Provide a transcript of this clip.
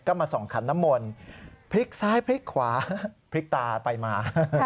ก็มาส่องขันน้ำมนต์พลิกซ้ายพลิกขวาพลิกตาไปมา